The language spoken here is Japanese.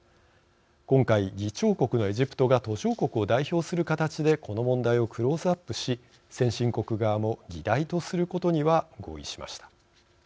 今回、議長国のエジプトが途上国を代表する形でこの問題をクローズアップし先進国側も議題とすることには合意しました。